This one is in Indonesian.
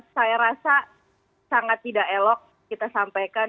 saya rasa sangat tidak elok kita sampaikan